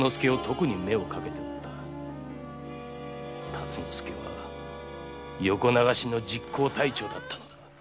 達之助は横流しの実行隊長だったのだ。